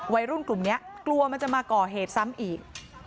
วัยรุ่นกลุ่มนี้กลัวมันจะมาก่อเหตุซ้ำอีก